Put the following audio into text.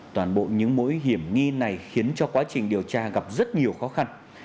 toàn bộ những mối hiểm nghi này khiến cho quá trình điều tra gặp rất nhiều khó khăn